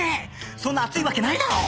そんな熱いわけないだろう！